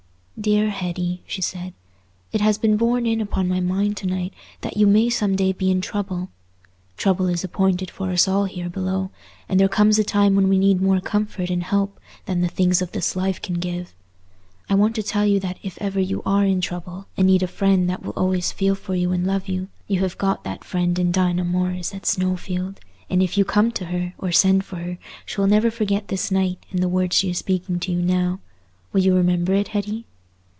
"Dear Hetty," she said, "It has been borne in upon my mind to night that you may some day be in trouble—trouble is appointed for us all here below, and there comes a time when we need more comfort and help than the things of this life can give. I want to tell you that if ever you are in trouble, and need a friend that will always feel for you and love you, you have got that friend in Dinah Morris at Snowfield, and if you come to her, or send for her, she'll never forget this night and the words she is speaking to you now. Will you remember it, Hetty?"